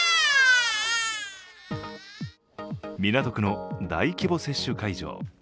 港区の大規模接種会場。